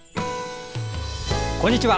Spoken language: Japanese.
こんにちは。